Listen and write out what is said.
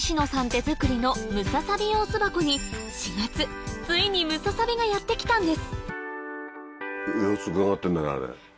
手作りのムササビ用巣箱に４月ついにムササビがやって来たんです様子伺ってんだねあれ。